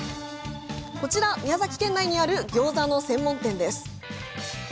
こちら宮崎県内にあるギョーザの専門店です。